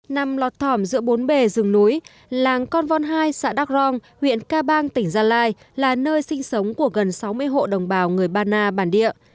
nằm lọt thỏm giữa bốn bề rừng núi làng con vòn hai xã đắk rong huyện ca bang tỉnh gia lai là nơi sinh sống của gần sáu mươi hộ đồng bào người ba na bản địa